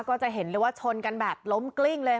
ก็จะเห็นเลยว่าชนกันแบบล้มกลิ้งเลย